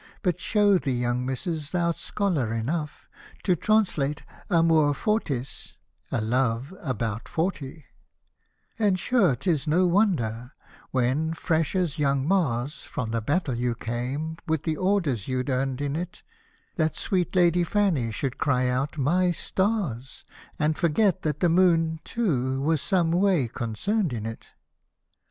But show the young Misses thou'rt scholar enough To translate " Amor Fortis " a love, about forty I Hosted by Google 198 SATIRICAL AND HUMOROUS POEMS And sure 'tis no wonder, when, fresh as young Mars, From the battle you came, with the Orders you'd earned in't, That sweet Lady Fanny should cry out " My stars P And forget that the Moo/i^ too, was some way concerned in't.